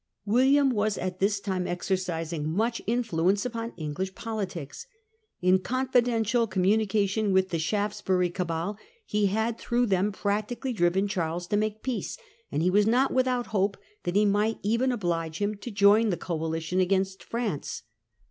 William was at this time exercising much influence upon English politics. In confidential communication with the Shaftesbury cabal, he had through them practi cally driven Charles to make peace; and he was not without hope that he might even oblige him to join the coalition against F ranee.